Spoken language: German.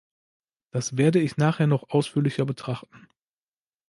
Das werde ich nachher noch ausführlicher betrachten.